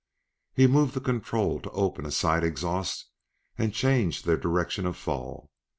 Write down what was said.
He moved the control to open a side exhaust and change their direction of fall.